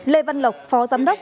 lê văn lộc phó giám đốc